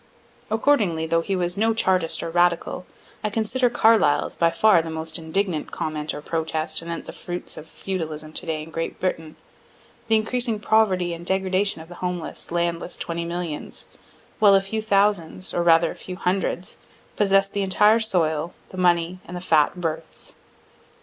Accordingly, though he was no chartist or radical, I consider Carlyle's by far the most indignant comment or protest anent the fruits of feudalism to day in Great Britain the increasing poverty and degradation of the homeless, landless twenty millions, while a few thousands, or rather a few hundreds, possess the entire soil, the money, and the fat berths.